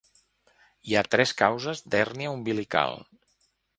Hi ha tres causes d'hèrnia umbilical.